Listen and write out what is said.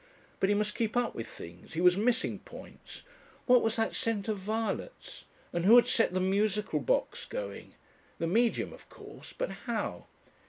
But he must keep up with things he was missing points. What was that scent of violets? And who had set the musical box going? The Medium, of course; but how?